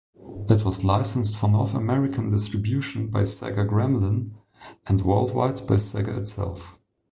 It was licensed for North American distribution by Sega-Gremlin and worldwide by Sega itself.